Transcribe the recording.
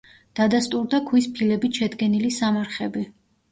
დადასტურდა ქვის ფილებით შედგენილი სამარხები.